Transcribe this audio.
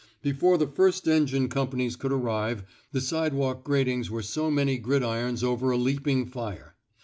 Before the first engine com panies could arrive, the sidewalk gratings were so many gridirons over a leaping fire.